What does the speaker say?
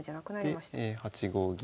で８五銀。